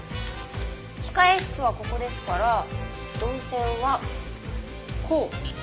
控室はここですから動線はこう。